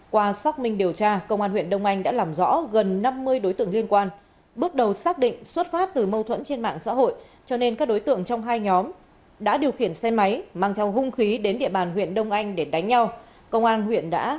qua xác minh điều tra công an huyện đông anh đã làm rõ gần năm mươi đối tượng liên quan bước đầu xác định xuất phát từ mâu thuẫn trên mạng xã hội cho nên các đối tượng trong hai nhóm đã điều khiển xe máy mang theo hung khí đến địa bàn huyện đông anh để đánh nhau